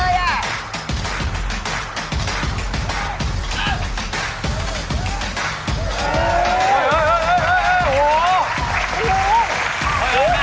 อยู่ในไหนน้ำ